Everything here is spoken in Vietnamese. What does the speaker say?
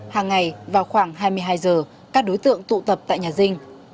hàng ngày vào khoảng hai mươi hai giờ các đối tượng tụ tập tại nhà dinh